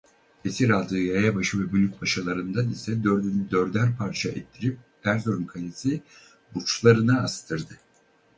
Esir aldığı yayabaşı ve bölükbaşılarından ise dördünü dörder parça ettirip Erzurum Kalesi burçlarına astırdı.